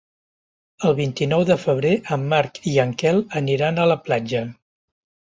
El vint-i-nou de febrer en Marc i en Quel aniran a la platja.